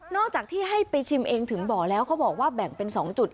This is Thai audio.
จากที่ให้ไปชิมเองถึงบ่อแล้วเขาบอกว่าแบ่งเป็น๒จุด